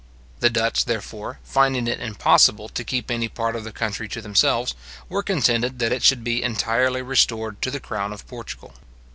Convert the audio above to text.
The Dutch, therefore, finding it impossible to keep any part of the country to themselves, were contented that it should be entirely restored to the crown of Portugal.